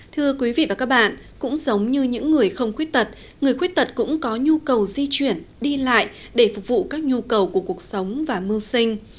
thưa quý vị và các bạn cũng giống như những người không khuyết tật người khuyết tật cũng có nhu cầu di chuyển đi lại để phục vụ các nhu cầu của cuộc sống và mưu sinh